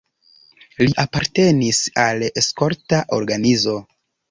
Li apartenis al skolta organizo.